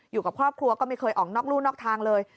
อยู่กับครอบครัวก็ไม่เคยออกนอกรู่นอกทางเลย